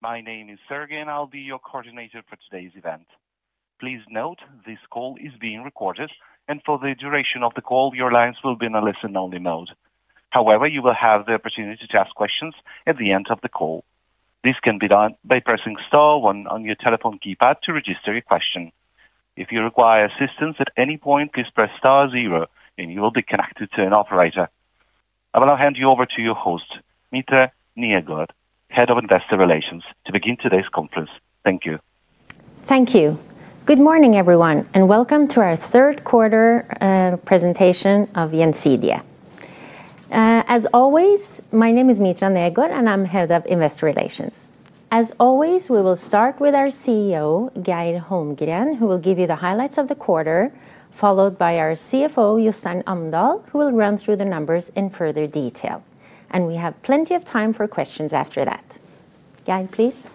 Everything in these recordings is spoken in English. My name is Sergei, and I'll be your coordinator for today's event. Please note this call is being recorded, and for the duration of the call, your lines will be in a listen-only mode. However, you will have the opportunity to ask questions at the end of the call. This can be done by pressing star one on your telephone keypad to register your question. If you require assistance at any point, please press star zero, and you will be connected to an operator. I will now hand you over to your host, Mitra Hagen Negård, Head of Investor Relations, to begin today's conference. Thank you. Thank you. Good morning, everyone, and welcome to our third quarter presentation of Gjensidige Forsikring ASA. As always, my name is Mitra Hagen Negård, and I'm Head of Investor Relations. As always, we will start with our CEO, Geir Holmgren, who will give you the highlights of the quarter, followed by our CFO, Jostein Amdal, who will run through the numbers in further detail. We have plenty of time for questions after that. Geir, please.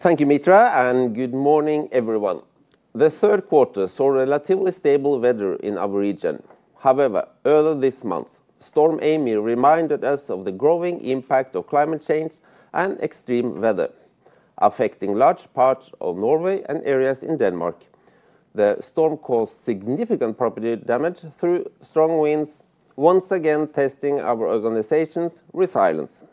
Thank you, Mitra, and good morning, everyone. The third quarter saw relatively stable weather in our region. However, earlier this month, Storm Amir reminded us of the growing impact of climate change and extreme weather, affecting large parts of Norway and areas in Denmark. The storm caused significant property damage through strong winds, once again testing our organization's resilience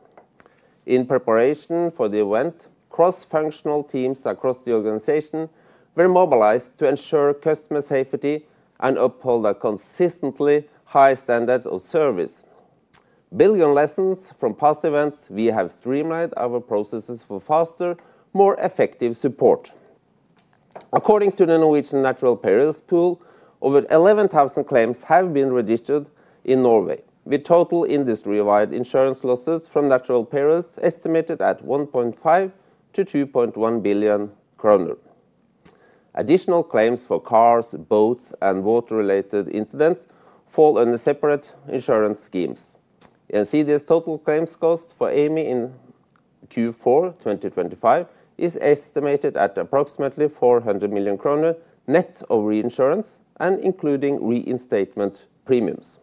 in preparation for the event. Cross-functional teams across the organization were mobilized to ensure customer safety and uphold the consistently high standards of service. Building on lessons from past events, we have streamlined our processes for faster, more effective support. According to the Norwegian Natural Perils Pool, over 11,000 claims have been registered in Norway, with total industry-wide insurance losses from natural perils estimated at 1.5 billion-2.1 billion kroner. Additional claims for cars, boats, and water-related incidents fall under separate insurance schemes. Gjensidige's total claims cost for Amir in Q4 2025 is estimated at approximately 400 million kroner net of reinsurance and including reinstatement premiums.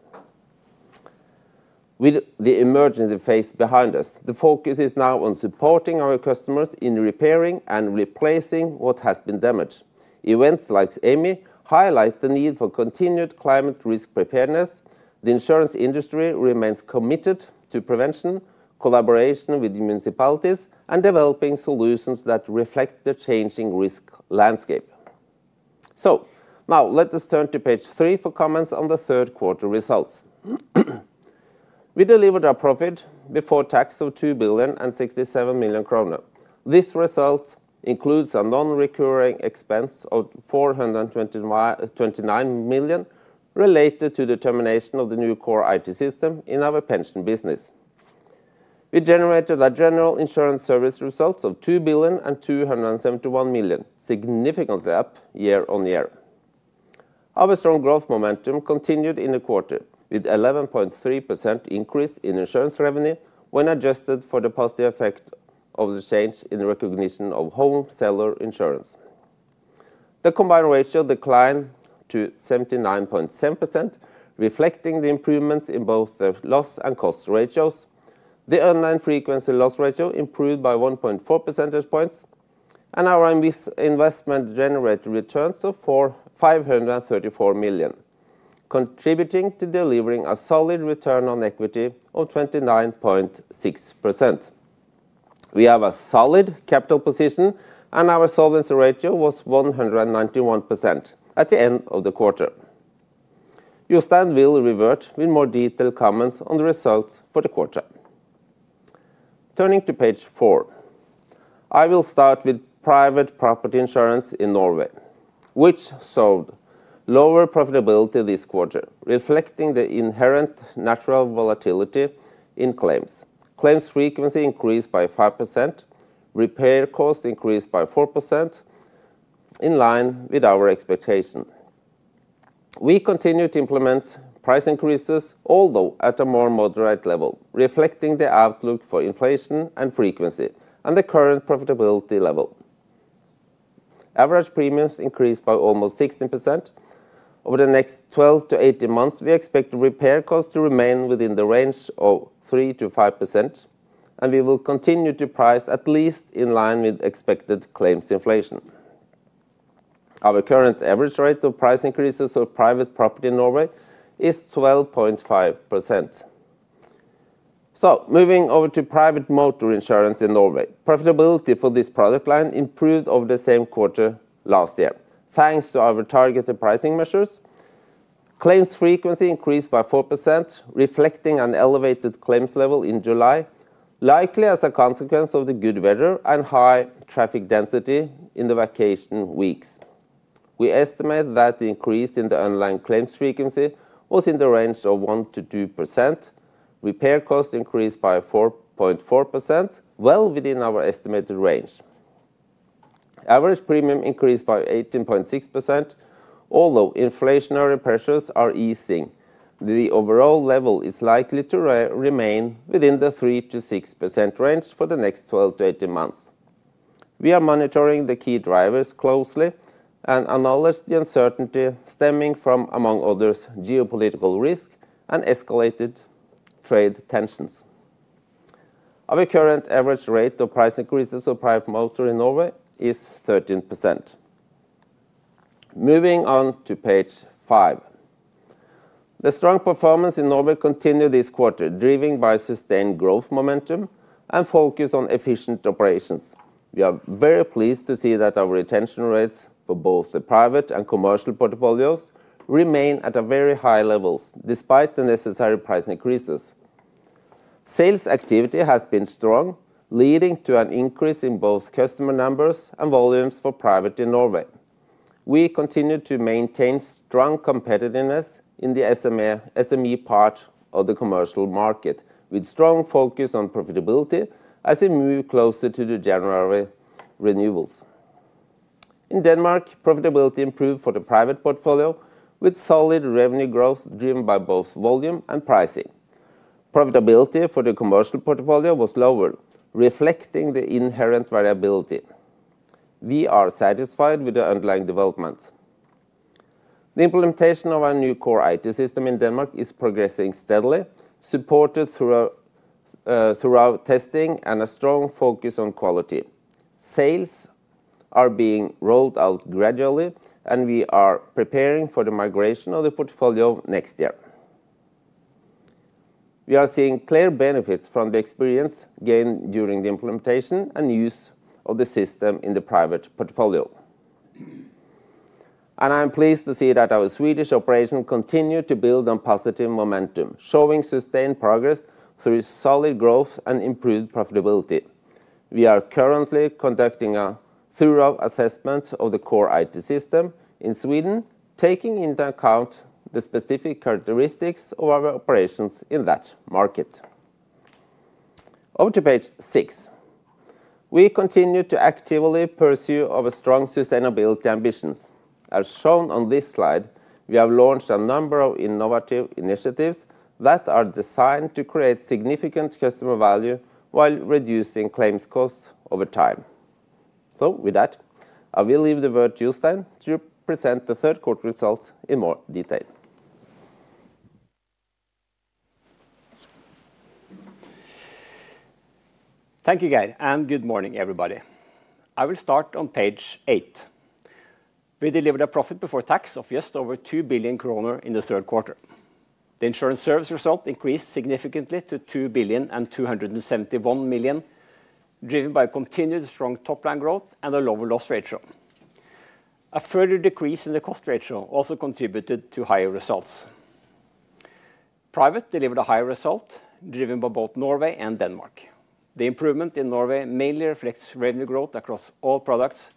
With the emergency phase behind us, the focus is now on supporting our customers in repairing and replacing what has been damaged. Events like Amir highlight the need for continued climate risk preparedness. The insurance industry remains committed to prevention, collaboration with the municipalities, and developing solutions that reflect the changing risk landscape. Now let us turn to page three for comments on the third quarter results. We delivered our profit before tax of 2,067 million kroner. This result includes a non-recurring expense of 429 million related to the termination of the new core IT system in our pension business. We generated a general insurance service result of 2,271 million, significantly up year-on-year. Our strong growth momentum continued in the quarter, with an 11.3% increase in insurance revenue when adjusted for the positive effect of the change in the recognition of home seller insurance. The combined ratio declined to 79.7%, reflecting the improvements in both the loss and cost ratios. The online frequency loss ratio improved by 1.4 percentage points, and our investment generated returns of 534 million, contributing to delivering a solid return on equity of 29.6%. We have a solid capital position, and our solvency ratio was 191% at the end of the quarter. Jostein will revert with more detailed comments on the results for the quarter. Turning to page four, I will start with private property insurance in Norway, which showed lower profitability this quarter, reflecting the inherent natural volatility in claims. Claims frequency increased by 5%, repair cost increased by 4%, in line with our expectation. We continue to implement price increases, although at a more moderate level, reflecting the outlook for inflation and frequency and the current profitability level. Average premiums increased by almost 16%. Over the next 12 to 18 months, we expect repair costs to remain within the range of 3%-5%, and we will continue to price at least in line with expected claims inflation. Our current average rate of price increases for private property in Norway is 12.5%. Moving over to private motor insurance in Norway, profitability for this product line improved over the same quarter last year, thanks to our targeted pricing measures. Claims frequency increased by 4%, reflecting an elevated claims level in July, likely as a consequence of the good weather and high traffic density in the vacation weeks. We estimate that the increase in the online claims frequency was in the range of 1%-2%. Repair costs increased by 4.4%, well within our estimated range. Average premium increased by 18.6%, although inflationary pressures are easing. The overall level is likely to remain within the 3%-6% range for the next 12 to 18 months. We are monitoring the key drivers closely and acknowledge the uncertainty stemming from, among others, geopolitical risk and escalated trade tensions. Our current average rate of price increases for private motor in Norway is 13%. Moving on to page five, the strong performance in Norway continued this quarter, driven by sustained growth momentum and focus on efficient operations. We are very pleased to see that our retention rates for both the private and commercial portfolios remain at very high levels despite the necessary price increases. Sales activity has been strong, leading to an increase in both customer numbers and volumes for private in Norway. We continue to maintain strong competitiveness in the SME part of the commercial market, with strong focus on profitability as we move closer to the January renewals. In Denmark, profitability improved for the private portfolio, with solid revenue growth driven by both volume and pricing. Profitability for the commercial portfolio was lower, reflecting the inherent variability. We are satisfied with the underlying developments. The implementation of our new core IT system in Denmark is progressing steadily, supported through our testing and a strong focus on quality. Sales are being rolled out gradually, and we are preparing for the migration of the portfolio next year. We are seeing clear benefits from the experience gained during the implementation and use of the system in the private portfolio. I am pleased to see that our Swedish operations continue to build on positive momentum, showing sustained progress through solid growth and improved profitability. We are currently conducting a thorough assessment of the core IT system in Sweden, taking into account the specific characteristics of our operations in that market. Over to page six, we continue to actively pursue our strong sustainability ambitions. As shown on this slide, we have launched a number of innovative initiatives that are designed to create significant customer value while reducing claims costs over time. With that, I will leave the word to Jostein to present the third quarter results in more detail. Thank you, Geir, and good morning, everybody. I will start on page eight. We delivered a profit before tax of just over 2 billion kroner in the third quarter. The insurance service result increased significantly to 2.271 billion, driven by continued strong top-line growth and a lower loss ratio. A further decrease in the cost ratio also contributed to higher results. Private delivered a higher result, driven by both Norway and Denmark. The improvement in Norway mainly reflects revenue growth across all products,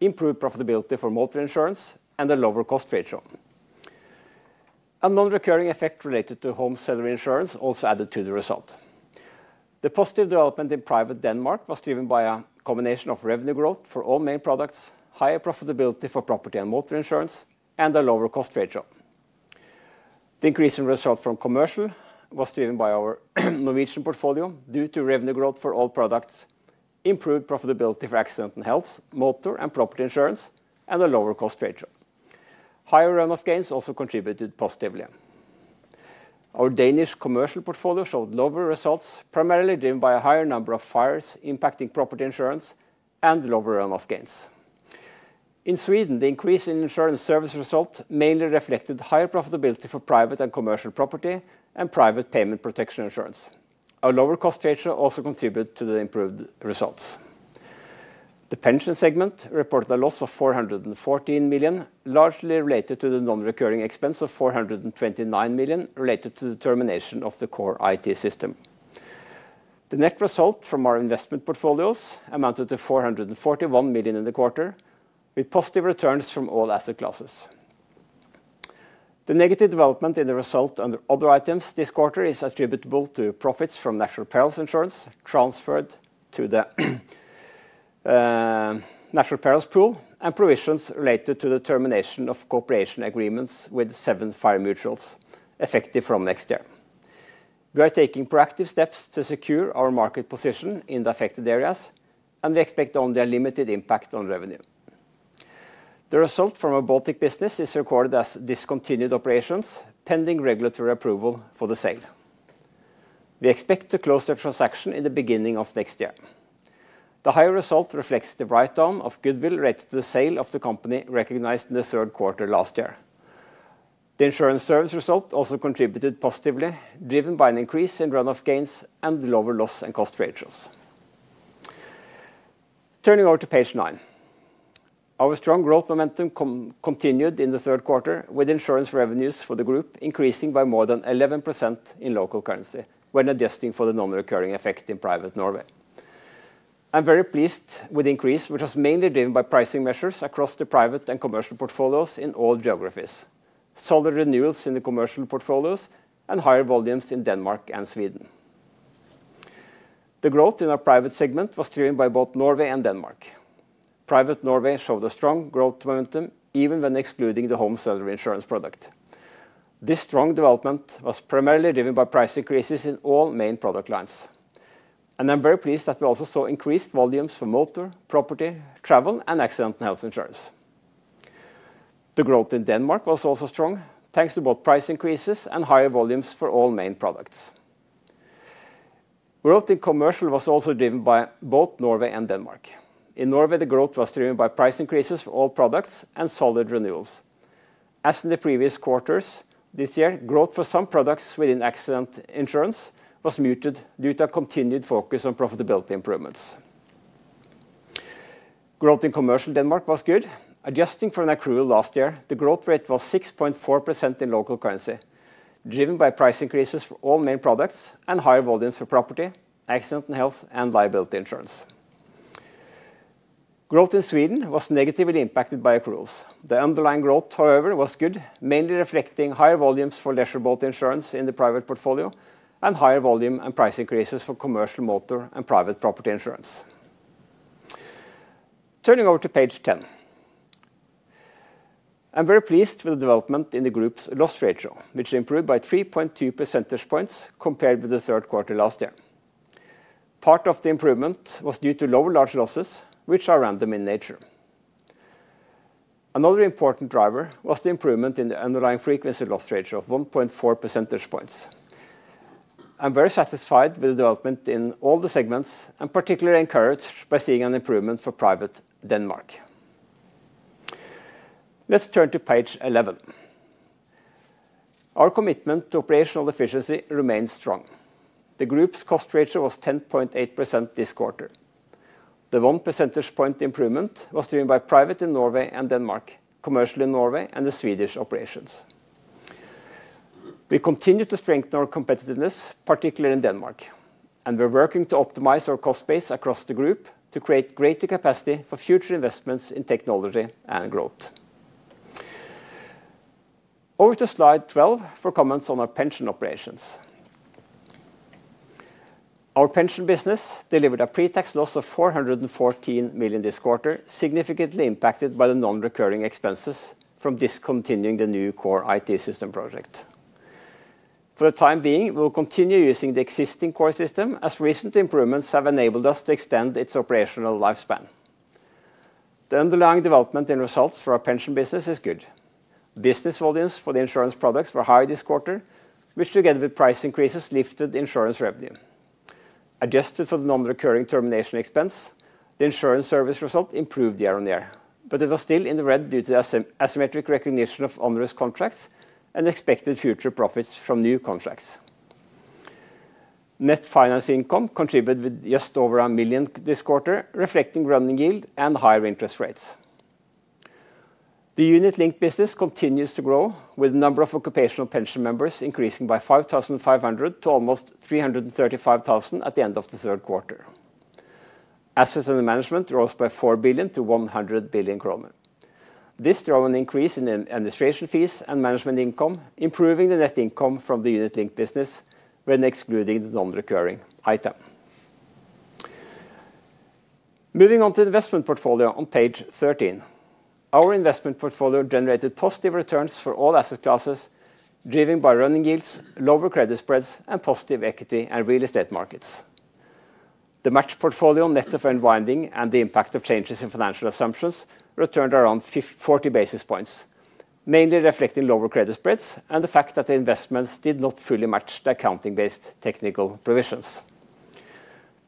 improved profitability for motor insurance, and a lower cost ratio. A non-recurring effect related to change of ownership insurance also added to the result. The positive development in private Denmark was driven by a combination of revenue growth for all main products, higher profitability for property and motor insurance, and a lower cost ratio. The increase in results from commercial was driven by our Norwegian portfolio due to revenue growth for all products, improved profitability for accident and health insurance, motor and property insurance, and a lower cost ratio. Higher run-off gains also contributed positively. Our Danish commercial portfolio showed lower results, primarily driven by a higher number of fires impacting property insurance and lower run-off gains. In Sweden, the increase in insurance service result mainly reflected higher profitability for private and commercial property and private income protection insurance. A lower cost ratio also contributed to the improved results. The pension segment reported a loss of 414 million, largely related to the non-recurring expense of 429 million related to the termination of the core IT system. The net result from our investment portfolios amounted to 441 million in the quarter, with positive returns from all asset classes. The negative development in the result under other items this quarter is attributable to profits from natural perils insurance transferred to the natural perils pool and provisions related to the termination of cooperation agreements with seven fire mutuals, effective from next year. We are taking proactive steps to secure our market position in the affected areas, and we expect only a limited impact on revenue. The result from our Baltic business is recorded as discontinued operations, pending regulatory approval for the sale. We expect to close the transaction in the beginning of next year. The higher result reflects the write-down of goodwill related to the sale of the company recognized in the third quarter last year. The insurance service result also contributed positively, driven by an increase in run-off gains and lower loss and cost ratios. Turning over to page nine, our strong growth momentum continued in the third quarter, with insurance revenues for the group increasing by more than 11% in local currency, when adjusting for the non-recurring effect in private Norway. I'm very pleased with the increase, which was mainly driven by pricing measures across the private and commercial portfolios in all geographies, solid renewals in the commercial portfolios, and higher volumes in Denmark and Sweden. The growth in our private segment was driven by both Norway and Denmark. Private Norway showed a strong growth momentum, even when excluding the home seller insurance product. This strong development was primarily driven by price increases in all main product lines. I'm very pleased that we also saw increased volumes for motor, property, travel, and accident and health insurance. The growth in Denmark was also strong, thanks to both price increases and higher volumes for all main products. Growth in commercial was also driven by both Norway and Denmark. In Norway, the growth was driven by price increases for all products and solid renewals. As in the previous quarters this year, growth for some products within accident insurance was muted due to a continued focus on profitability improvements. Growth in commercial Denmark was good, adjusting for an accrual last year. The growth rate was 6.4% in local currency, driven by price increases for all main products and higher volumes for property, accident and health, and liability insurance. Growth in Sweden was negatively impacted by accruals. The underlying growth, however, was good, mainly reflecting higher volumes for leisure craft insurance in the private portfolio and higher volume and price increases for commercial motor and private property insurance. Turning over to page ten, I'm very pleased with the development in the group's loss ratio, which improved by 3.2 percentage points compared with the third quarter last year. Part of the improvement was due to lower large losses, which are random in nature. Another important driver was the improvement in the underlying frequency loss ratio of 1.4 percentage points. I'm very satisfied with the development in all the segments and particularly encouraged by seeing an improvement for private Denmark. Let's turn to page 11. Our commitment to operational efficiency remains strong. The group's cost ratio was 10.8% this quarter. The 1% improvement was driven by private in Norway and Denmark, commercial in Norway, and the Swedish operations. We continue to strengthen our competitiveness, particularly in Denmark, and we're working to optimize our cost base across the group to create greater capacity for future investments in technology and growth. Over to slide 12 for comments on our pension operations. Our pension business delivered a pre-tax loss of 414 million this quarter, significantly impacted by the non-recurring expenses from discontinuing the new core IT system project. For the time being, we'll continue using the existing core system as recent improvements have enabled us to extend its operational lifespan. The underlying development in results for our pension business is good. Business volumes for the insurance products were higher this quarter, which together with price increases lifted insurance revenue. Adjusted for the non-recurring termination expense, the insurance service result improved year-on-year, but it was still in the red due to the asymmetric recognition of onerous contracts and expected future profits from new contracts. Net finance income contributed with just over 1 million this quarter, reflecting running yield and higher interest rates. The unit linked business continues to grow, with the number of occupational pension members increasing by 5,500 to almost 335,000 at the end of the third quarter. Assets under management rose by 4 billion to 100 billion kroner. This drove an increase in administration fees and management income, improving the net income from the unit linked business when excluding the non-recurring item. Moving on to the investment portfolio on page 13, our investment portfolio generated positive returns for all asset classes, driven by running yields, lower credit spreads, and positive equity and real estate markets. The matched portfolio net of unwinding and the impact of changes in financial assumptions returned around 40 basis points, mainly reflecting lower credit spreads and the fact that the investments did not fully match the accounting-based technical provisions.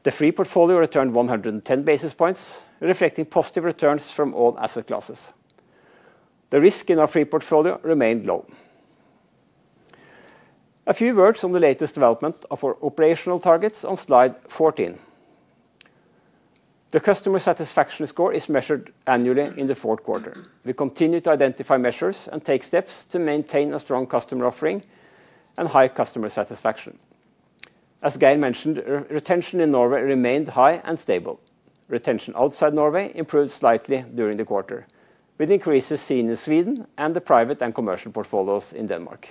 The free portfolio returned 110 basis points, reflecting positive returns from all asset classes. The risk in our free portfolio remained low. A few words on the latest development of our operational targets on slide 14. The customer satisfaction score is measured annually in the fourth quarter. We continue to identify measures and take steps to maintain a strong customer offering and high customer satisfaction. As Geir mentioned, retention in Norway remained high and stable. Retention outside Norway improved slightly during the quarter, with increases seen in Sweden and the private and commercial portfolios in Denmark.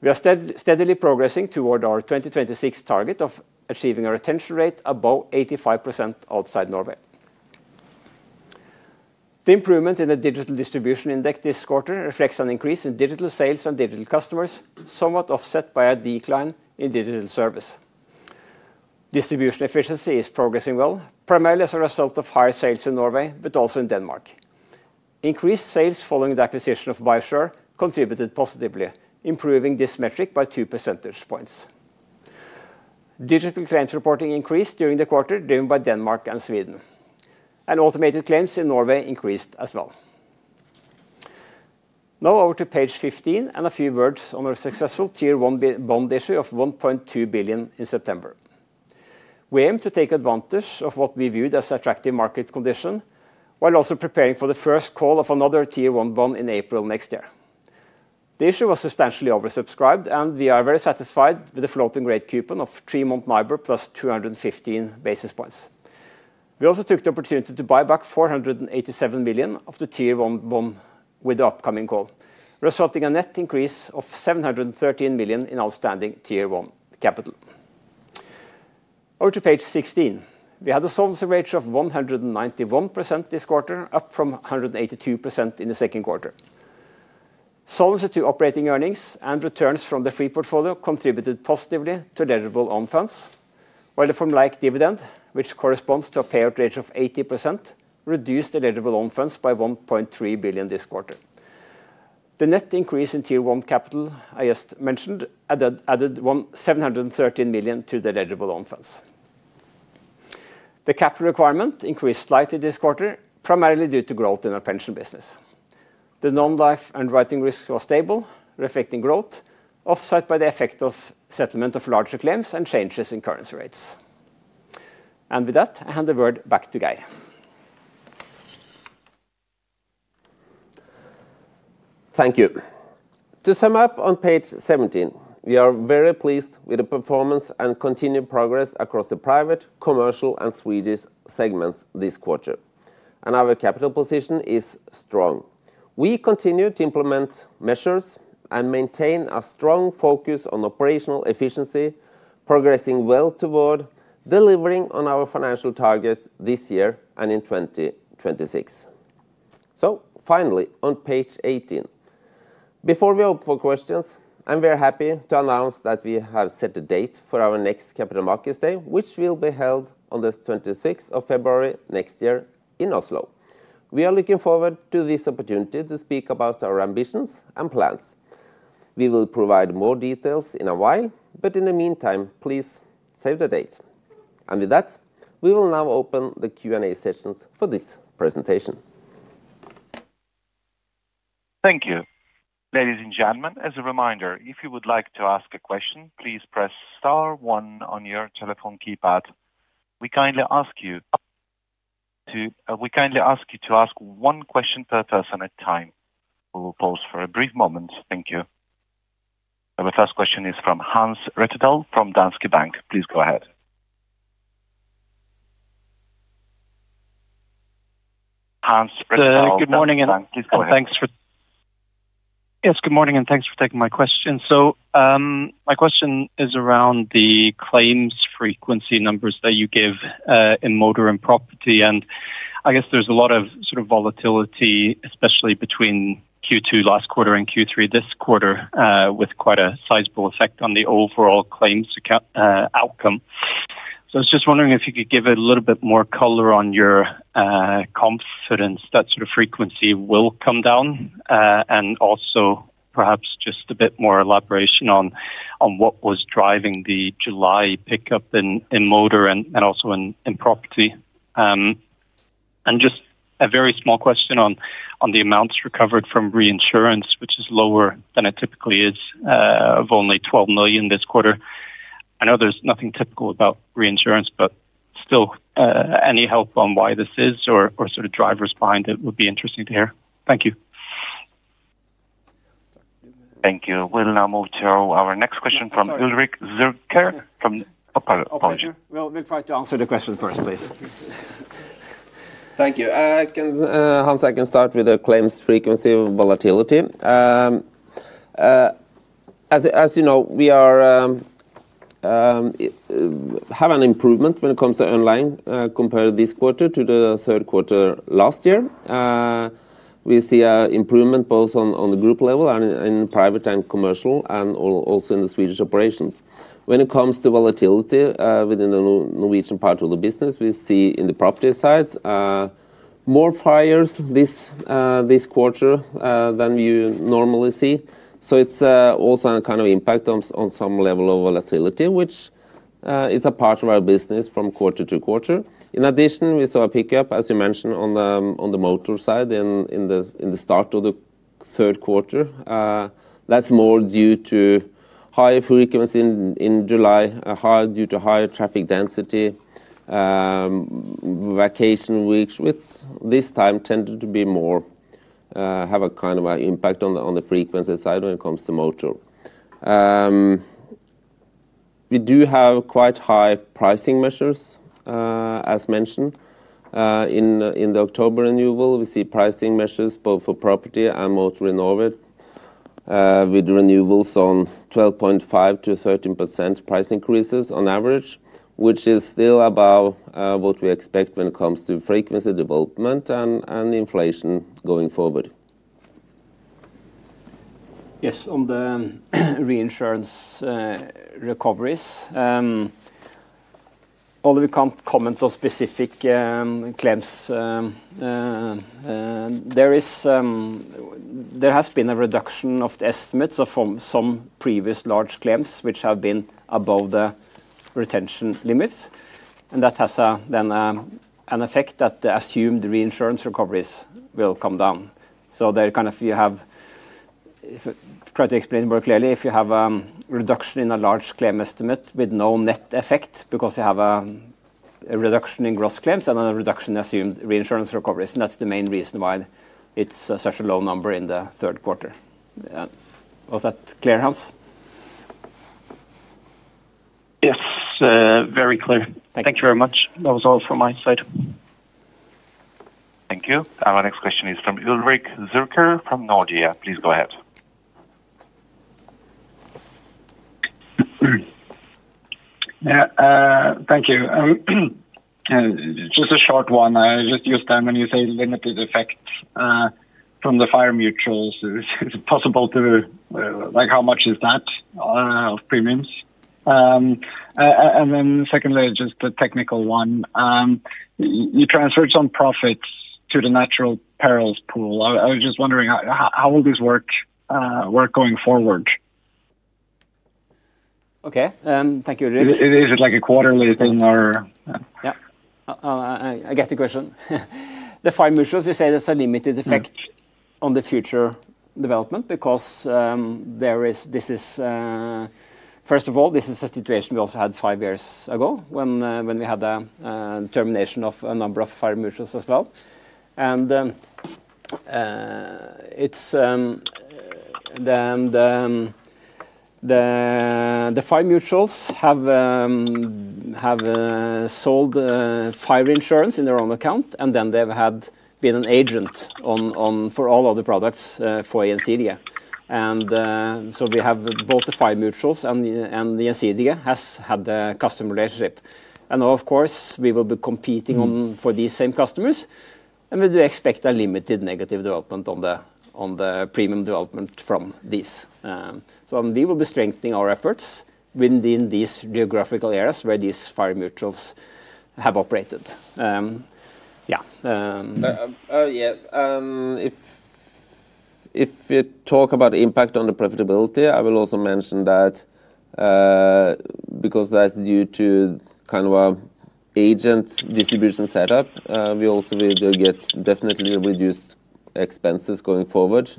We are steadily progressing toward our 2026 target of achieving a retention rate above 85% outside Norway. The improvement in the digital distribution index this quarter reflects an increase in digital sales and digital customers, somewhat offset by a decline in digital service. Distribution efficiency is progressing well, primarily as a result of higher sales in Norway, but also in Denmark. Increased sales following the acquisition of Byshore contributed positively, improving this metric by 2 percentage points. Digital claims reporting increased during the quarter, driven by Denmark and Sweden, and automated claims in Norway increased as well. Now over to page 15 and a few words on our successful tier one bond issue of 1.2 billion in September. We aim to take advantage of what we viewed as an attractive market condition while also preparing for the first call of another tier one bond in April next year. The issue was substantially oversubscribed, and we are very satisfied with the floating rate coupon of Tremont Naiber plus 215 basis points. We also took the opportunity to buy back 487 million of the tier one bond with the upcoming call, resulting in a net increase of 713 million in outstanding tier one capital. Over to page 16, we had a solvency ratio of 191% this quarter, up from 182% in the second quarter. Solvency to operating earnings and returns from the free portfolio contributed positively to eligible own funds, while the formulaic dividend, which corresponds to a payout rate of 80%, reduced eligible own funds by 1.3 billion this quarter. The net increase in tier one capital I just mentioned added 713 million to the eligible own funds. The capital requirement increased slightly this quarter, primarily due to growth in our pension business. The non-life and writing risk was stable, reflecting growth offset by the effect of settlement of larger claims and changes in currency rates. With that, I hand the word back to Geir. Thank you. To sum up on page 17, we are very pleased with the performance and continued progress across the private, commercial, and Swedish segments this quarter, and our capital position is strong. We continue to implement measures and maintain a strong focus on operational efficiency, progressing well toward delivering on our financial targets this year and in 2026. Finally, on page 18, before we open for questions, I'm very happy to announce that we have set a date for our next Capital Markets Day, which will be held on the 26th of February next year in Oslo. We are looking forward to this opportunity to speak about our ambitions and plans. We will provide more details in a while, but in the meantime, please save the date. With that, we will now open the Q&A sessions for this presentation. Thank you, ladies and gentlemen. As a reminder, if you would like to ask a question, please press star one on your telephone keypad. We kindly ask you to ask one question per person at a time. We will pause for a brief moment. Thank you. Our first question is from Hans Rettedal from Danske Bank. Please go ahead. Thank you. Good morning. Thanks for taking my question. My question is around the claims frequency numbers that you give, in motor and property. I guess there's a lot of volatility, especially between Q2 last quarter and Q3 this quarter, with quite a sizable effect on the overall claims outcome. I was just wondering if you could give a little bit more color on your confidence that frequency will come down, and also perhaps just a bit more elaboration on what was driving the July pickup in motor and also in property. Just a very small question on the amounts recovered from reinsurance, which is lower than it typically is, of only 12 million this quarter. I know there's nothing typical about reinsurance, but still, any help on why this is or drivers behind it would be interesting to hear. Thank you. Thank you. We'll now move to our next question from Ulrik Zürcher. I'll try to answer the question first, please. Thank you. Hans, I can start with the claims frequency volatility. As you know, we have an improvement when it comes to online compared to this quarter to the third quarter last year. We see an improvement both on the group level and in private and commercial, and also in the Swedish operations. When it comes to volatility within the Norwegian part of the business, we see in the property sides more fires this quarter than we normally see. It's also a kind of impact on some level of volatility, which is a part of our business from quarter to quarter. In addition, we saw a pickup, as you mentioned, on the motor side in the start of the third quarter. That's more due to higher frequency in July, due to higher traffic density, vacation weeks, which this time tended to be more have a kind of an impact on the frequency side when it comes to motor. We do have quite high pricing measures, as mentioned. In the October renewal, we see pricing measures both for property and motor renewal with renewals on 12.5%-13% price increases on average, which is still above what we expect when it comes to frequency development and inflation going forward. Yes, on the reinsurance recoveries, although we can't comment on specific claims, there has been a reduction of the estimates of some previous large claims, which have been above the retention limits. That has an effect that the assumed reinsurance recoveries will come down. You have to try to explain more clearly if you have a reduction in a large claim estimate with no net effect because you have a reduction in gross claims and a reduction in assumed reinsurance recoveries. That's the main reason why it's such a low number in the third quarter. Was that clear, Hans? Yes, very clear. Thank you very much. That was all from my side. Thank you. Our next question is from Ulrik Zürcher from Nordea. Please go ahead. Thank you. Just a short one. When you say limited effect from the fire mutuals, is it possible to, like, how much is that of premiums? Secondly, just the technical one, you transferred some profits to the natural perils pool. I was just wondering, how will this work going forward? Okay. Thank you, Ulrik. Is it like a quarterly thing, or? Yeah. I get the question. The fire mutuals, we say there's a limited effect on the future development because this is, first of all, a situation we also had five years ago when we had a termination of a number of fire mutuals as well. The fire mutuals have sold fire insurance on their own account, and then they've been an agent for all other products for Gjensidige. We have both the fire mutuals and Gjensidige having the customer relationship. Of course, we will be competing for these same customers. We do expect a limited negative development on the premium development from these. We will be strengthening our efforts within these geographical areas where these fire mutuals have operated. Yeah. If you talk about the impact on the profitability, I will also mention that because that's due to kind of an agent distribution setup, we also will get definitely reduced expenses going forward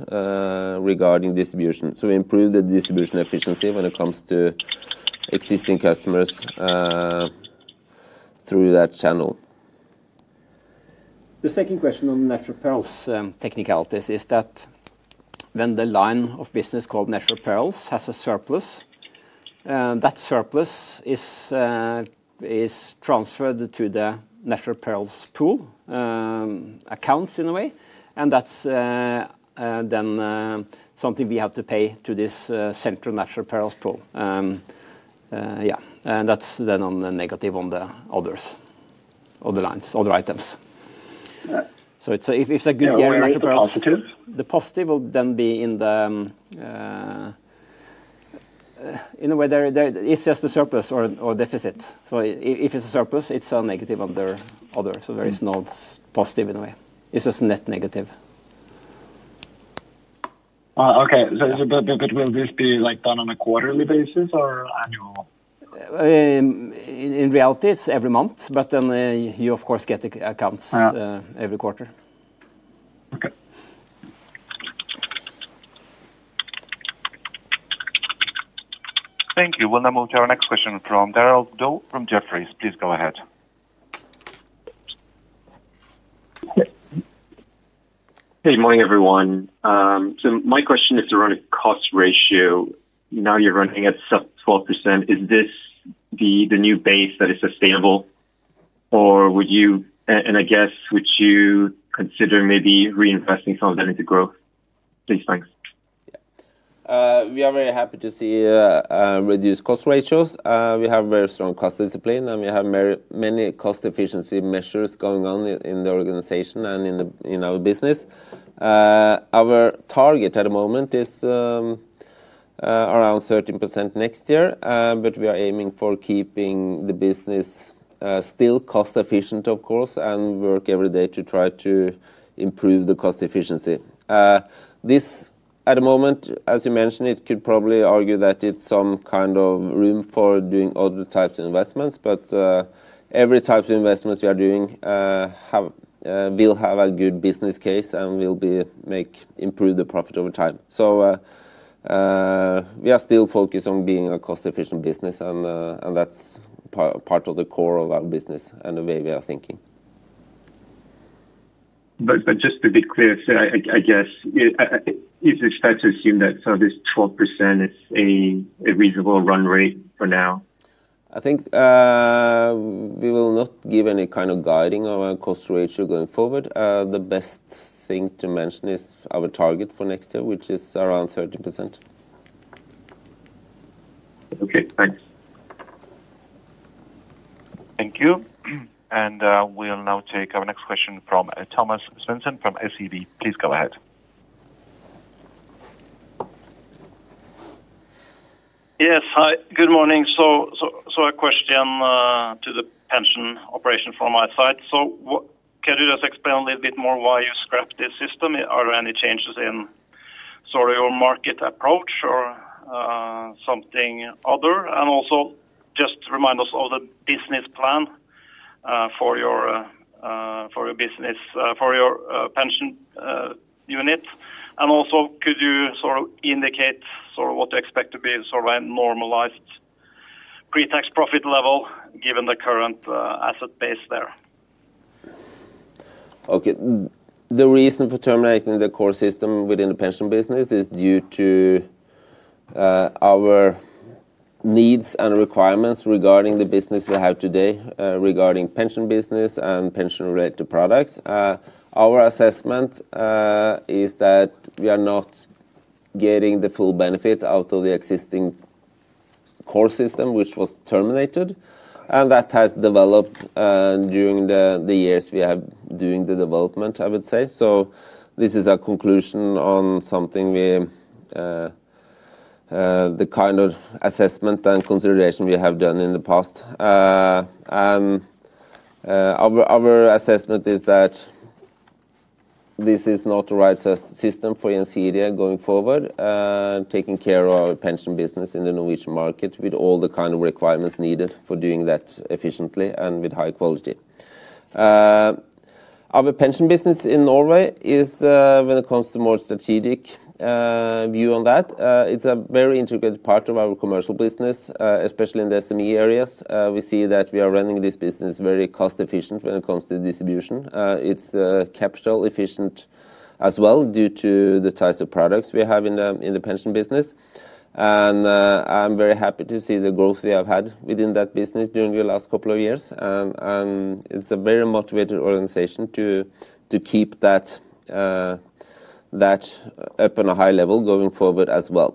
regarding distribution. We improve the distribution efficiency when it comes to existing customers through that channel. The second question on the natural perils technicalities is that when the line of business called natural perils has a surplus, that surplus is transferred to the natural perils pool accounts in a way. That's then something we have to pay to this central natural perils pool. That's then on the negative on the others of the lines, other items. If it's a good year, the positive will then be in the, in a way, it's just a surplus or deficit. If it's a surplus, it's a negative under others. There is no positive in a way. It's just a net negative. Okay. Will this be done on a quarterly basis or annual? In reality, it's every month, but then you, of course, get the accounts every quarter. Okay. Thank you. We'll now move to our next question from Derald Goh from Jefferies. Please go ahead. Hey, good morning, everyone. My question is around a cost ratio. Now you're running at 12%. Is this the new base that is sustainable? Would you consider maybe reinvesting some of that into growth? Please, thanks. Yeah. We are very happy to see reduced cost ratios. We have a very strong cost discipline, and we have many cost efficiency measures going on in the organization and in our business. Our target at the moment is around 13% next year, but we are aiming for keeping the business still cost efficient, of course, and work every day to try to improve the cost efficiency. At the moment, as you mentioned, it could probably argue that it's some kind of room for doing other types of investments, but every type of investments we are doing will have a good business case and will improve the profit over time. We are still focused on being a cost efficient business, and that's part of the core of our business and the way we are thinking. Just to be clear, is it fair to assume that this 12% is a reasonable run rate for now? I think we will not give any kind of guiding or a cost ratio going forward. The best thing to mention is our target for next year, which is around 30%. Okay, thanks. Thank you. We'll now take our next question from Thomas Svendsen from SEB. Please go ahead. Yes, hi. Good morning. A question to the pension operation from my side. Can you just explain a little bit more why you scrapped this system? Are there any changes in your market approach or something other? Also, just remind us of the business plan for your pension unit. Could you indicate what you expect to be a normalized pre-tax profit level given the current asset base there? Okay. The reason for terminating the core IT system within the pension business is due to our needs and requirements regarding the business we have today, regarding the pension business and pension-related products. Our assessment is that we are not getting the full benefit out of the existing core IT system, which was terminated. That has developed during the years we have been doing the development, I would say. This is our conclusion on the kind of assessment and consideration we have done in the past. Our assessment is that this is not the right system for Gjensidige going forward, taking care of our pension business in the Norwegian market with all the requirements needed for doing that efficiently and with high quality. Our pension business in Norway, when it comes to a more strategic view on that, it's a very integrated part of our commercial business, especially in the SME areas. We see that we are running this business very cost efficient when it comes to distribution. It's capital efficient as well due to the types of products we have in the pension business. I'm very happy to see the growth we have had within that business during the last couple of years. It's a very motivated organization to keep that up on a high level going forward as well.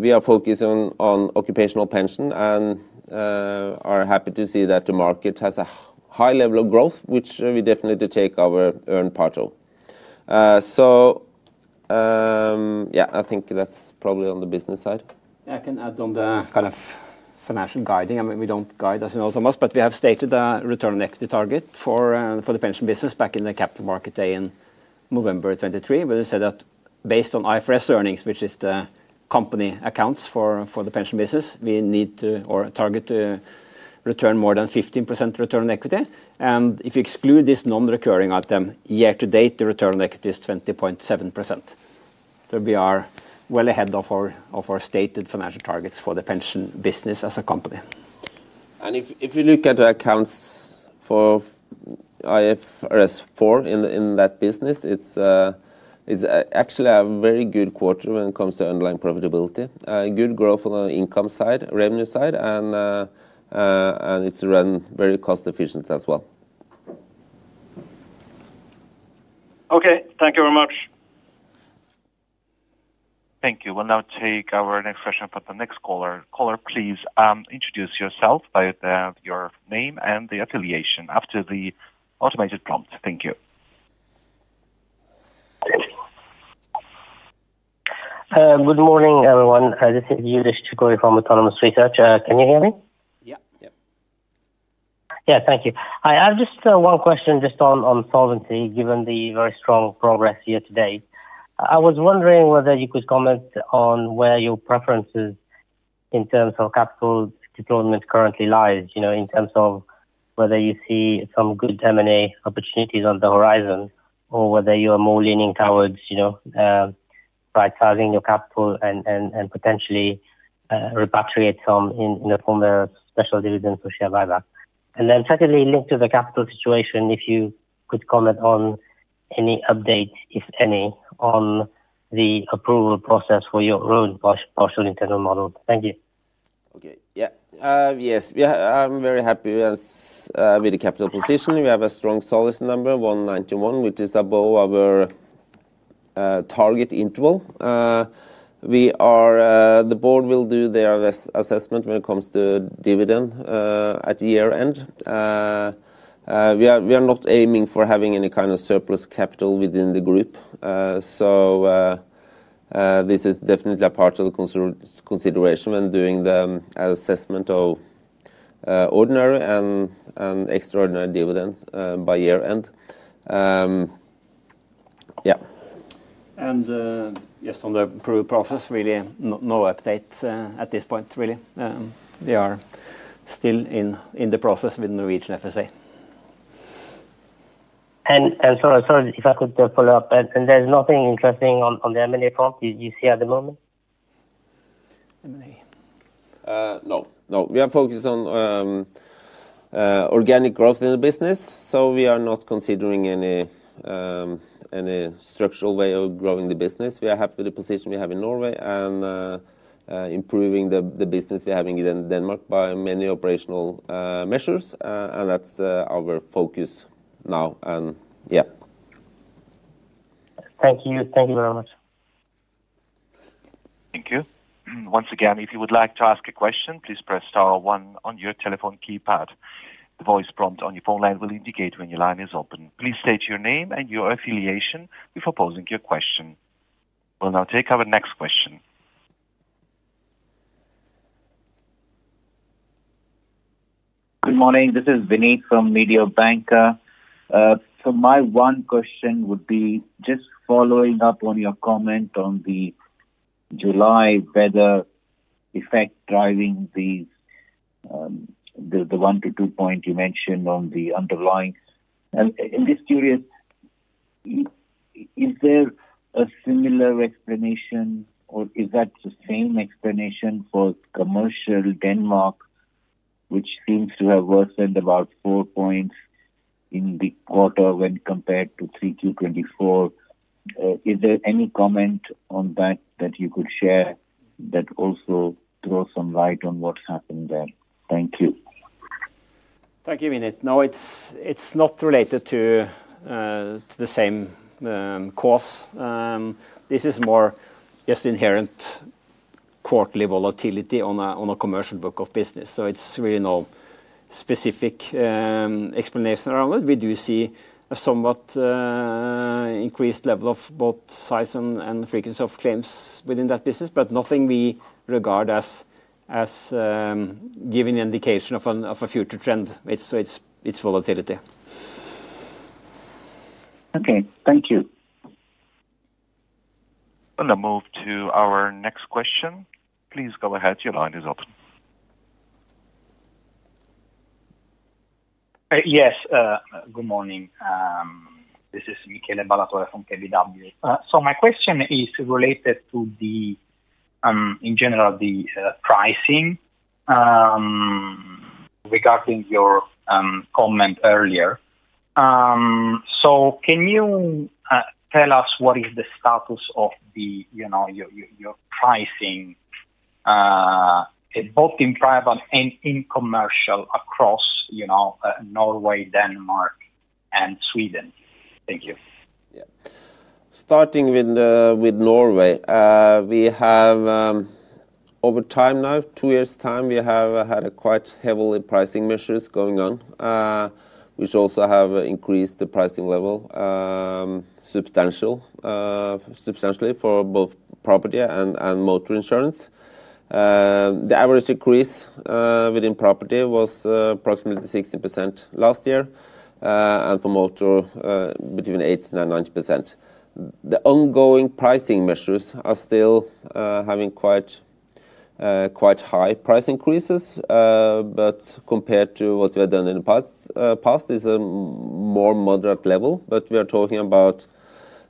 We are focused on occupational pension and are happy to see that the market has a high level of growth, which we definitely take our earned part of. I think that's probably on the business side. Yeah, I can add on the kind of financial guiding. I mean, we don't guide us in all summers, but we have stated a return on equity target for the pension business back in the Capital Markets Day in November 2023. When we said that based on IFRS earnings, which is the company accounts for the pension business, we need to target to return more than 15% return on equity. If you exclude this non-recurring item, year to date, the return on equity is 20.7%. We are well ahead of our stated financial targets for the pension business as a company. If you look at the accounts for IFRS 4 in that business, it's actually a very good quarter when it comes to underlying profitability. Good growth on the income side, revenue side, and it's run very cost efficient as well. Okay, thank you very much. Thank you. We'll now take our next question for the next caller. Caller, please introduce yourself by your name and the affiliation after the automated prompt. Thank you. Good morning, everyone. This is Youdish Chicooree from Autonomous Research. Can you hear me? Yeah, yeah. Thank you. I have just one question just on solvency, given the very strong progress here today. I was wondering whether you could comment on where your preferences in terms of capital deployment currently lie, in terms of whether you see some good M&A opportunities on the horizon, or whether you are more leaning towards right-sizing your capital and potentially repatriate some in the form of special dividends or share buyback. Secondly, linked to the capital situation, if you could comment on any updates, if any, on the approval process for your own partial internal model. Thank you. Yes, I'm very happy with the capital position. We have a strong solvency number of 191, which is above our target interval. The board will do their assessment when it comes to dividend at year end. We are not aiming for having any kind of surplus capital within the group. This is definitely a part of the consideration when doing the assessment of ordinary and extraordinary dividends by year end. Yes, on the approval process, really no updates at this point. We are still in the process with the Norwegian FSA. If I could follow up, there's nothing interesting on the M&A front you see at the moment? M&A? No, no. We are focused on organic growth in the business. We are not considering any structural way of growing the business. We are happy with the position we have in Norway and improving the business we're having in Denmark by many operational measures. That's our focus now. Yeah. Thank you. Thank you very much. Thank you. Once again, if you would like to ask a question, please press star one on your telephone keypad. The voice prompt on your phone line will indicate when your line is open. Please state your name and your affiliation before posing your question. We'll now take our next question. Good morning. This is Vinit from Mediobanca. My one question would be just following up on your comment on the July weather effect driving the 1 to 2 point you mentioned on the underlying. I'm just curious, is there a similar explanation or is that the same explanation for commercial Denmark, which seems to have worsened about 4 points in the quarter when compared to 3Q 2024? Is there any comment on that that you could share that also throws some light on what's happened there? Thank you. Thank you, Vinit. No, it's not related to the same cause. This is more just inherent quarterly volatility on a commercial book of business. It's really no specific explanation around it. We do see a somewhat increased level of both size and frequency of claims within that business, but nothing we regard as giving the indication of a future trend. It's volatility. Okay, thank you. I'm going to move to our next question. Please go ahead. Your line is open. Yes. Good morning. This is Michele Ballatore from KBW. My question is related to, in general, the pricing regarding your comment earlier. Can you tell us what is the status of your pricing, both in private and in commercial, across Norway, Denmark, and Sweden? Thank you. Yeah. Starting with Norway, we have over time now, two years' time, we have had quite heavy pricing measures going on, which also have increased the pricing level substantially for both property and motor insurance. The average increase within property was approximately 60% last year, and for motor, between 80% and 90%. The ongoing pricing measures are still having quite high price increases, but compared to what we have done in the past, it's a more moderate level. We are talking about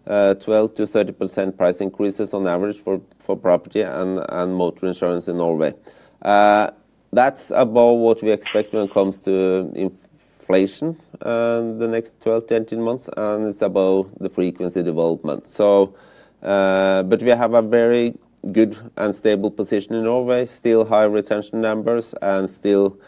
12%-30% price increases on average for property and motor insurance in Norway. That's about what we expect when it comes to inflation in the next 12 to 18 months, and it's about the frequency development. We have a very good and stable position in Norway, still high retention numbers, and still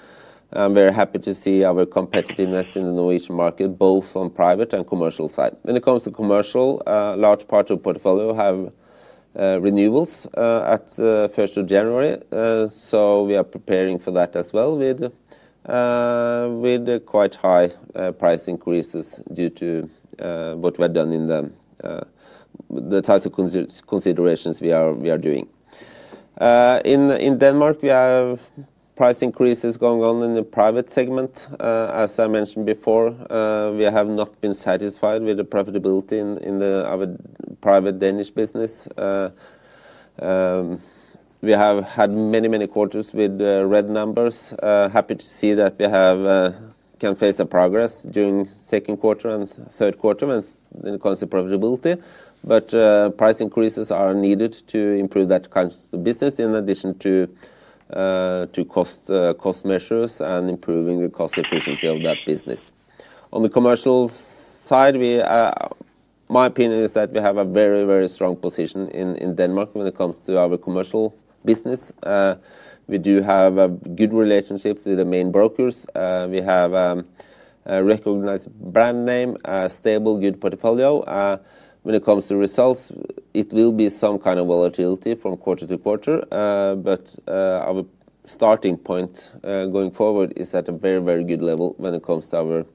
very happy to see our competitiveness in the Norwegian market, both on the private and commercial side. When it comes to commercial, a large part of the portfolio has renewals at the 1st of January. We are preparing for that as well with quite high price increases due to what we've done in the types of considerations we are doing. In Denmark, we have price increases going on in the private segment. As I mentioned before, we have not been satisfied with the profitability in our private Danish business. We have had many, many quarters with red numbers. Happy to see that we can face a progress during the second quarter and third quarter when it comes to profitability. Price increases are needed to improve that kind of business in addition to cost measures and improving the cost efficiency of that business. On the commercial side, my opinion is that we have a very, very strong position in Denmark when it comes to our commercial business. We do have a good relationship with the main brokers. We have a recognized brand name, a stable, good portfolio. When it comes to results, it will be some kind of volatility from quarter to quarter, but our starting point going forward is at a very, very good level when it comes to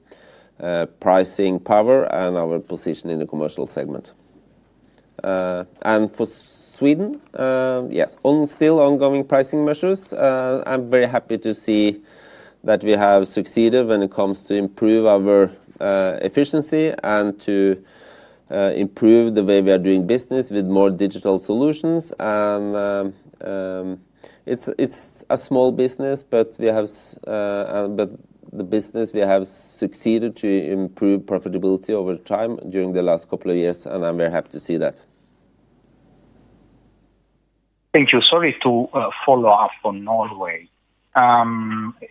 our pricing power and our position in the commercial segment. For Sweden, yes, still ongoing pricing measures. I'm very happy to see that we have succeeded when it comes to improving our efficiency and to improve the way we are doing business with more digital solutions. It's a small business, but the business we have succeeded to improve profitability over time during the last couple of years, and I'm very happy to see that. Thank you. Sorry to follow up on Norway.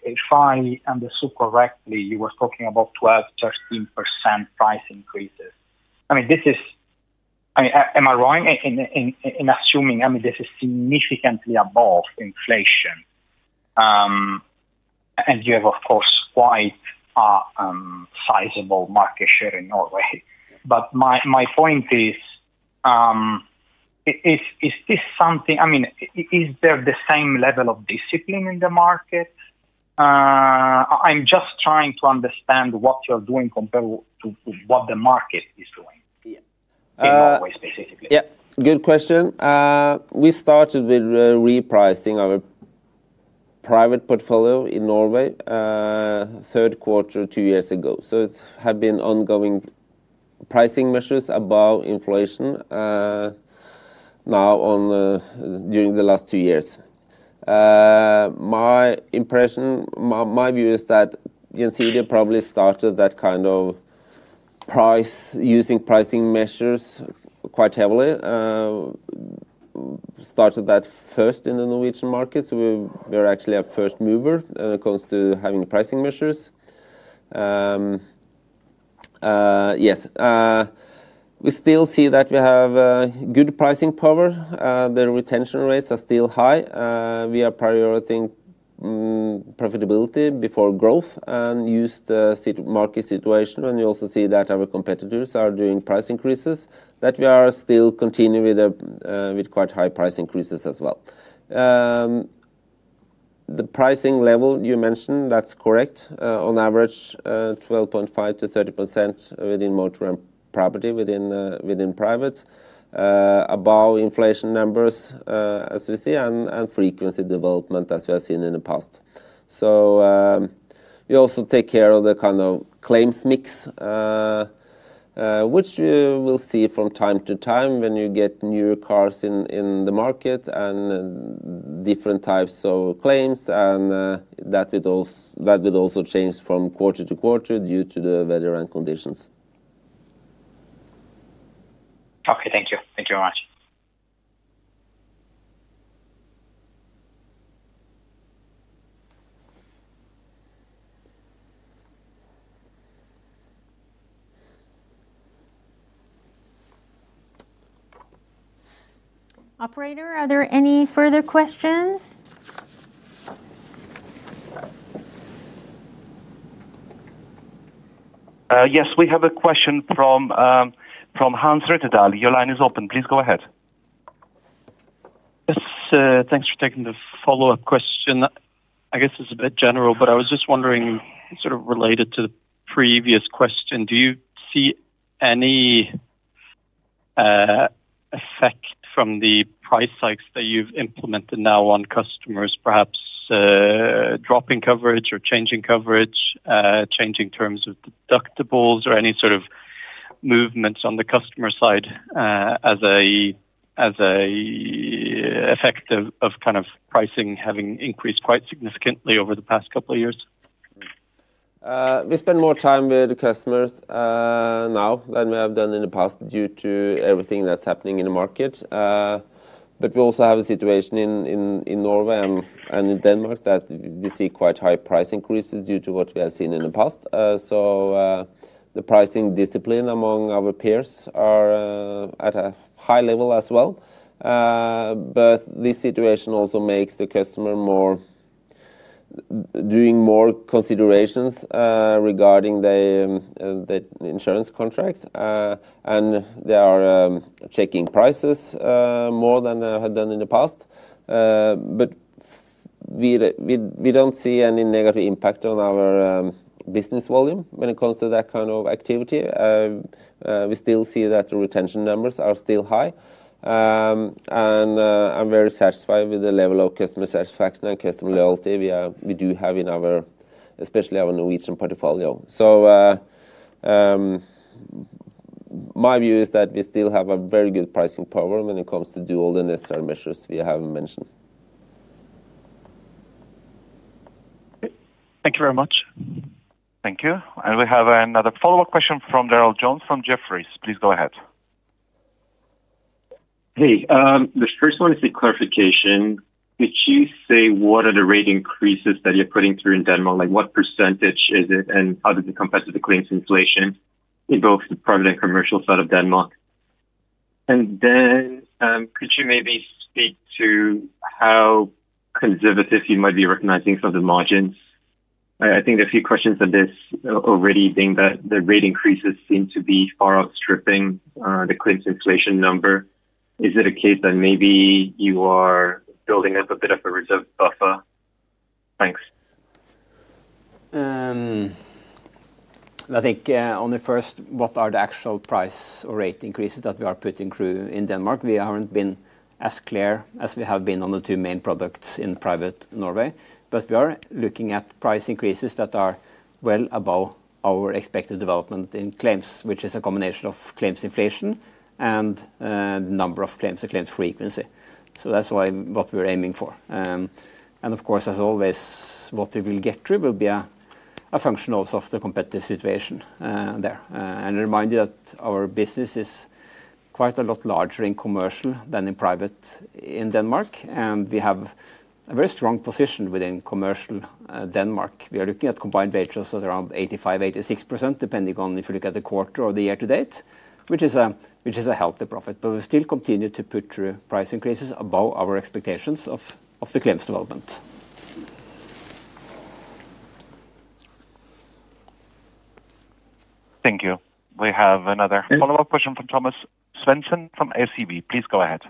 If I understood correctly, you were talking about 12%-13% price increases. This is significantly above inflation. You have, of course, quite a sizable market share in Norway. My point is, is this something, is there the same level of discipline in the market? I'm just trying to understand what you're doing compared to what the market is doing in Norway specifically. Yeah, good question. We started with repricing our private portfolio in Norway third quarter two years ago. It has been ongoing pricing measures above inflation now during the last two years. My impression, my view is that Gjensidige probably started that kind of price using pricing measures quite heavily. Started that first in the Norwegian market. We are actually a first mover when it comes to having pricing measures. Yes, we still see that we have good pricing power. The retention rates are still high. We are prioritizing profitability before growth and use the market situation. You also see that our competitors are doing price increases, that we are still continuing with quite high price increases as well. The pricing level you mentioned, that's correct. On average, 12.5% to 30% within motor and property within private, above inflation numbers as we see, and frequency development as we have seen in the past. We also take care of the kind of claims mix, which you will see from time to time when you get new cars in the market and different types of claims. That would also change from quarter to quarter due to the weather and conditions. Okay, thank you. Thank you very much. Operator, are there any further questions? Yes, we have a question from Hans Rettedal. Your line is open. Please go ahead. Yes, thanks for taking the follow-up question. I guess it's a bit general, but I was just wondering, sort of related to the previous question, do you see any effect from the price hikes that you've implemented now on customers, perhaps dropping coverage or changing coverage, changing terms of deductibles, or any sort of movements on the customer side as an effect of pricing having increased quite significantly over the past couple of years? We spend more time with customers now than we have done in the past due to everything that's happening in the market. We also have a situation in Norway and in Denmark that we see quite high price increases due to what we have seen in the past. The pricing discipline among our peers is at a high level as well. This situation also makes the customer do more considerations regarding their insurance contracts, and they are checking prices more than they had done in the past. We don't see any negative impact on our business volume when it comes to that kind of activity. We still see that the retention numbers are still high, and I'm very satisfied with the level of customer satisfaction and customer loyalty we do have in our, especially our Norwegian portfolio. My view is that we still have a very good pricing power when it comes to do all the necessary measures we have mentioned. Thank you very much. Thank you. We have another follow-up question from Derald Goh from Jefferies. Please go ahead. Hey, this first one is a clarification. Could you say what are the rate increases that you're putting through in Denmark? Like what percentage is it, and how does it compare to the claims inflation in both the private and commercial side of Denmark? Could you maybe speak to how conservative you might be recognizing some of the margins? I think there are a few questions on this already, being that the rate increases seem to be far outstripping the claims inflation number. Is it a case that maybe you are building up a bit of a reserve buffer? Thanks. I think on the first, what are the actual price or rate increases that we are putting through in Denmark? We haven't been as clear as we have been on the two main products in private Norway. We are looking at price increases that are well above our expected development in claims, which is a combination of claims inflation and the number of claims and claims frequency. That's what we're aiming for. Of course, as always, what we will get through will be a function of the competitive situation there. I remind you that our business is quite a lot larger in commercial than in private in Denmark, and we have a very strong position within commercial Denmark. We are looking at combined ratios of around 85%, 86%, depending on if you look at the quarter or the year to date, which is a healthy profit. We still continue to put through price increases above our expectations of the claims development. Thank you. We have another follow-up question from Thomas Svendsen from SEB. Please go ahead.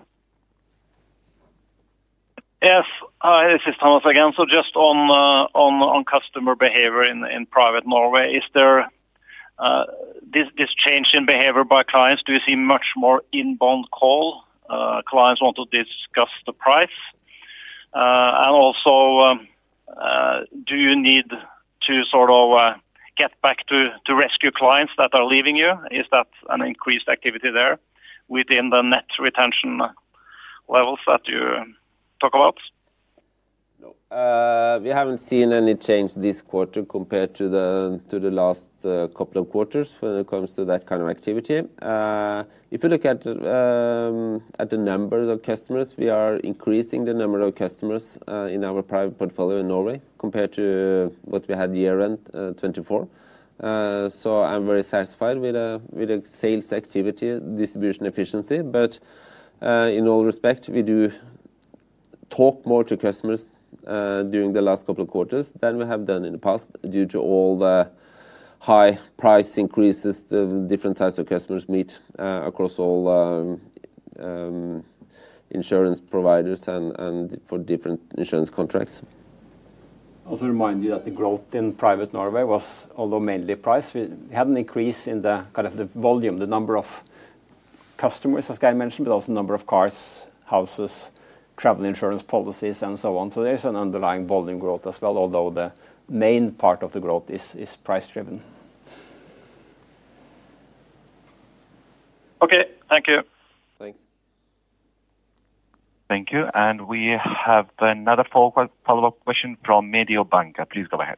Yes, hi, this is Thomas again. Just on customer behavior in private Norway, is there this change in behavior by clients? Do you see much more inbound calls? Clients want to discuss the price. Also, do you need to sort of get back to rescue clients that are leaving you? Is that an increased activity there within the net retention levels that you talk about? No, we haven't seen any change this quarter compared to the last couple of quarters when it comes to that kind of activity. If you look at the numbers of customers, we are increasing the number of customers in our private portfolio in Norway compared to what we had year-end 2024. I'm very satisfied with the sales activity, distribution efficiency. In all respect, we do talk more to customers during the last couple of quarters than we have done in the past due to all the high price increases the different types of customers meet across all insurance providers and for different insurance contracts. I also remind you that the growth in private Norway was, although mainly price, we had an increase in the kind of the volume, the number of customers, as Geir mentioned, but also the number of cars, houses, travel insurance policies, and so on. There's an underlying volume growth as well, although the main part of the growth is price-driven. Okay, thank you. Thanks. Thank you. We have another follow-up question from Mediobanca. Please go ahead.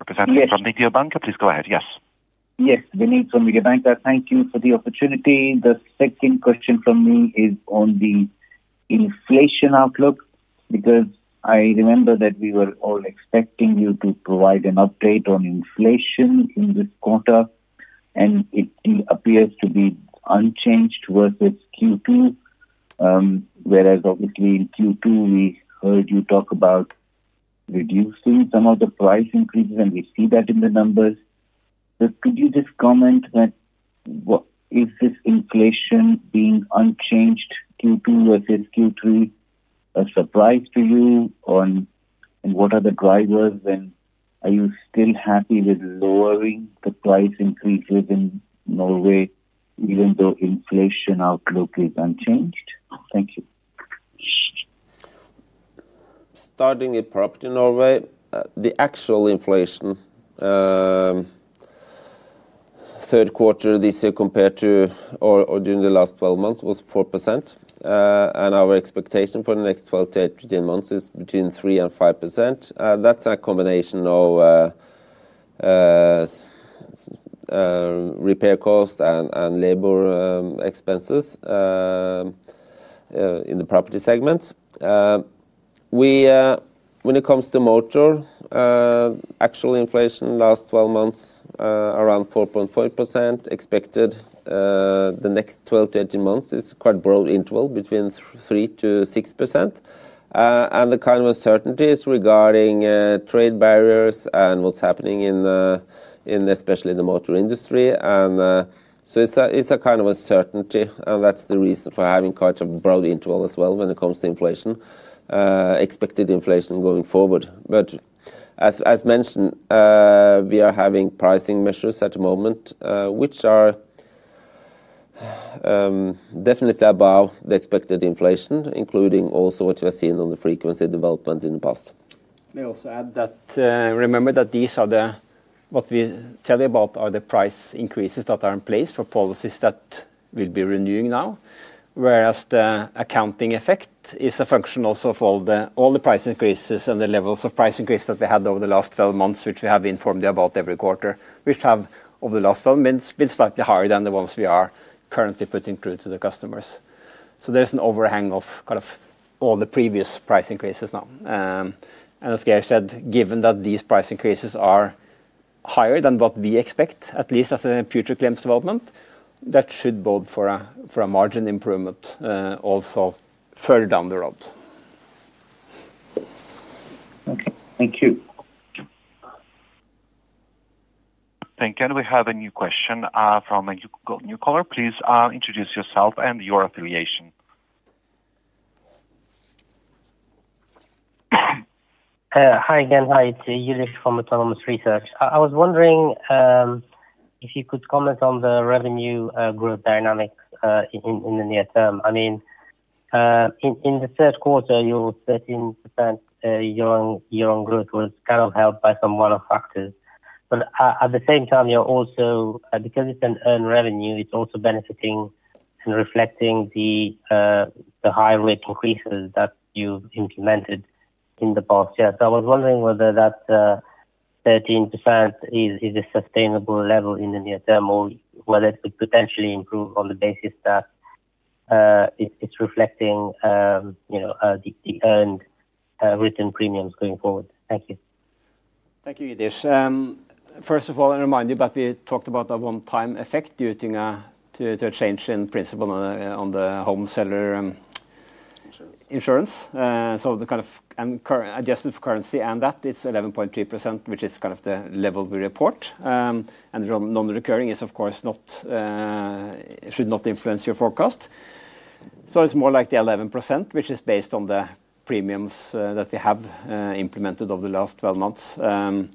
Representative from Mediobanca, please go ahead. Yes. Yes, Vinit from Mediobanca. Thank you for the opportunity. The second question from me is on the inflation outlook, because I remember that we were all expecting you to provide an update on inflation in this quarter, and it appears to be unchanged versus Q2. In Q2, we heard you talk about reducing some of the price increases, and we see that in the numbers. Could you just comment that what is this inflation being unchanged Q2 versus Q3 a surprise to you, and what are the drivers, and are you still happy with lowering the price increases in Norway, even though inflation outlook is unchanged? Thank you. Starting in property Norway, the actual inflation third quarter this year compared to or during the last 12 months was 4%. Our expectation for the next 12, 13, 18 months is between 3% and 5%. That's a combination of repair costs and labor expenses in the property segment. When it comes to motor, actual inflation in the last 12 months around 4.5% expected. The next 12 to 18 months is quite a broad interval between 3% to 6%. The kind of uncertainty is regarding trade barriers and what's happening in especially the motor industry. It's a kind of uncertainty, and that's the reason for having quite a broad interval as well when it comes to expected inflation going forward. As mentioned, we are having pricing measures at the moment, which are definitely above the expected inflation, including also what you have seen on the frequency development in the past. May I also add that remember that these are what we tell you about, are the price increases that are in place for policies that will be renewing now. Whereas the accounting effect is a function also of all the price increases and the levels of price increases that we had over the last 12 months, which we have informed you about every quarter, which have over the last 12 months been slightly higher than the ones we are currently putting through to the customers. There is an overhang of kind of all the previous price increases now. As Geir said, given that these price increases are higher than what we expect, at least as a future claims development, that should bode for a margin improvement also further down the road. Thank you. Thank you. We have a new question from a new caller. Please introduce yourself and your affiliation. Hi again. Hi, it's Youdish Chicooree from Autonomous Research. I was wondering if you could comment on the revenue growth dynamics in the near term. I mean, in the third quarter, your 13% year-on-year growth was kind of helped by some one-off factors. At the same time, because it's an earned revenue, it's also benefiting and reflecting the high rate increases that you've implemented in the past year. I was wondering whether that 13% is a sustainable level in the near term or whether it could potentially improve on the basis that it's reflecting the earned written premiums going forward. Thank you. Thank you, Youdish. First of all, I remind you that we talked about a one-time effect due to a change in principle on the change of ownership insurance. The kind of adjusted currency and that, it's 11.3%, which is the level we report. The non-recurring is, of course, should not influence your forecast. It's more like the 11%, which is based on the premiums that we have implemented over the last 12 months. We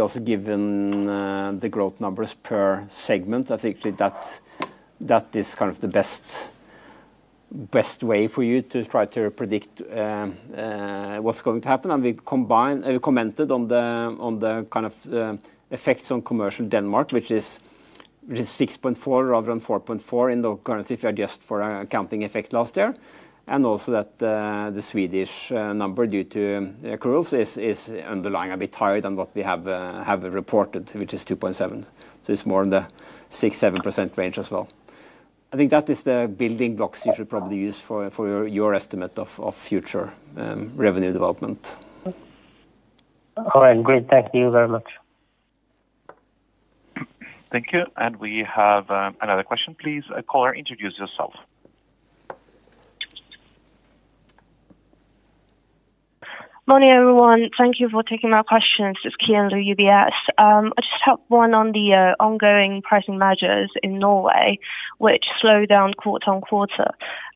also have given the growth numbers per segment. I think that is the best way for you to try to predict what's going to happen. We commented on the effects on commercial Denmark, which is 6.4% rather than 4.4% in the currency if you adjust for an accounting effect last year. Also, the Swedish number due to accruals is underlying a bit higher than what we have reported, which is 2.7%. It's more in the 6%-7% range as well. I think that is the building blocks you should probably use for your estimate of future revenue development. All right, great. Thank you very much. Thank you. We have another question. Please, caller, introduce yourself. Morning, everyone. Thank you for taking my questions. It's Kiandal UBS. I just have one on the ongoing pricing measures in Norway, which slow down quarter on quarter.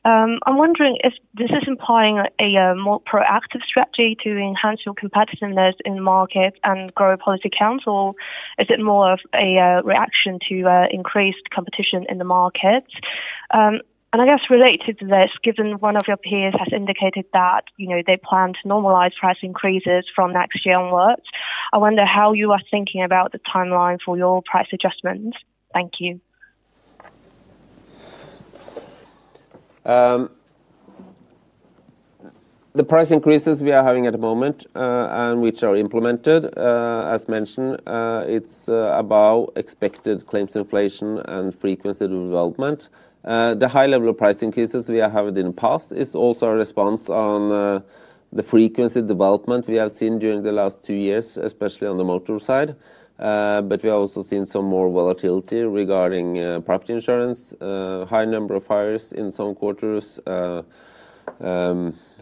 I'm wondering if this is implying a more proactive strategy to enhance your competitiveness in the market and grow policy counts? Is it more of a reaction to increased competition in the markets? I guess related to this, given one of your peers has indicated that they plan to normalize price increases from next year onwards, I wonder how you are thinking about the timeline for your price adjustments. Thank you. The price increases we are having at the moment, and which are implemented, as mentioned, it's about expected claims inflation and frequency development. The high level of price increases we have had in the past is also a response on the frequency development we have seen during the last two years, especially on the motor side. We have also seen some more volatility regarding property insurance, high number of fires in some quarters,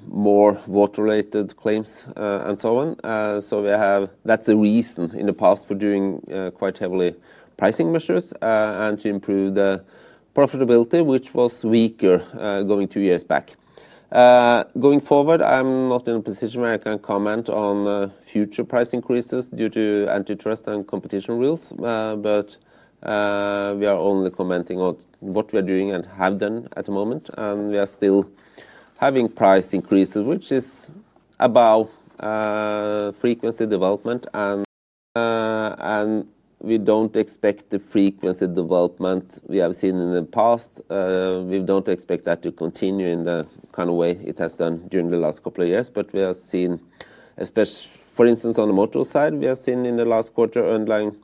more water-related claims, and so on. That is a reason in the past for doing quite heavily pricing measures and to improve the profitability, which was weaker going two years back. Going forward, I'm not in a position where I can comment on future price increases due to antitrust and competition rules. We are only commenting on what we are doing and have done at the moment. We are still having price increases, which is about frequency development. We don't expect the frequency development we have seen in the past. We don't expect that to continue in the kind of way it has done during the last couple of years. We have seen, especially, for instance, on the motor side, we have seen in the last quarter underlying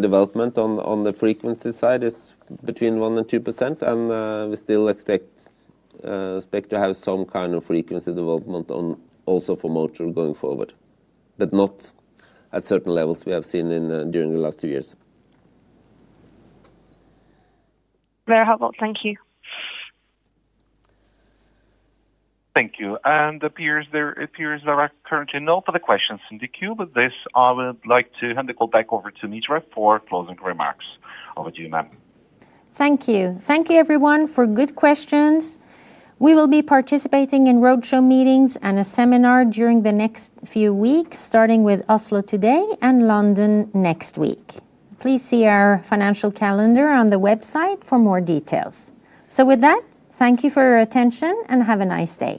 development on the frequency side is between 1% and 2%. We still expect to have some kind of frequency development also for motor going forward, but not at certain levels we have seen during the last two years. Very helpful. Thank you. Thank you. There are currently no further questions in the queue. With this, I would like to hand the call back over to Mitra for closing remarks. Over to you, ma'am. Thank you. Thank you, everyone, for good questions. We will be participating in roadshow meetings and a seminar during the next few weeks, starting with Oslo today and London next week. Please see our financial calendar on the website for more details. Thank you for your attention and have a nice day.